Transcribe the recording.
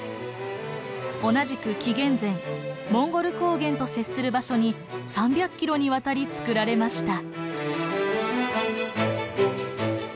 同じく紀元前モンゴル高原と接する場所に３００キロにわたりつくられました。